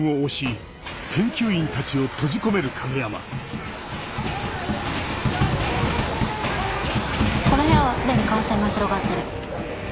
・この部屋は既に感染が広がってる。